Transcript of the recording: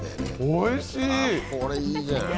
おいしい！